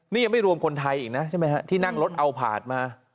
นี่ยังไม่รวมคนไทยอีกนะใช่ไหมฮะที่นั่งรถเอาผาดมา